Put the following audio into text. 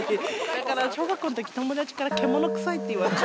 だから小学校のとき友達から獣臭いって言われてて。